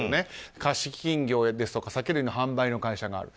貸金業や酒類の販売の会社があると。